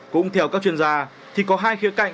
cũng theo các chuyên gia thì có hai khía cạnh